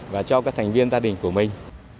và cho các thành viên gia đình của mình